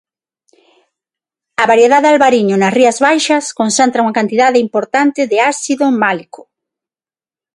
A variedade albariño nas Rías Baixas concentra unha cantidade importante de ácido málico.